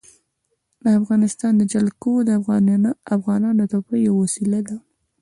د افغانستان جلکو د افغانانو د تفریح یوه وسیله ده.